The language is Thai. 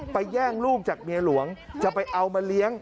แย่งลูกจากเมียหลวงจะไปเอามาเลี้ยง